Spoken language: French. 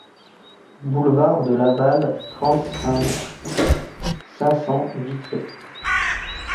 Boulevard de Laval, trente-cinq, cinq cents Vitré